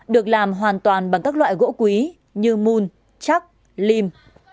được làm hoàn toàn bằng các loại gỗ quý như mun chắc lim